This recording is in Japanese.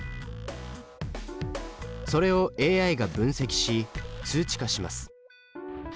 それをＡＩが分析し数値化します。